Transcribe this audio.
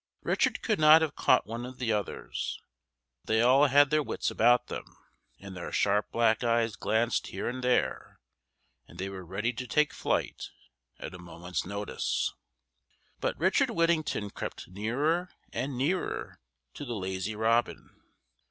Richard could not have caught one of the others, for they all had their wits about them, and their sharp black eyes glanced here and there, and they were ready to take flight at a moment's notice. But Richard Whittington crept nearer and nearer to the lazy robin.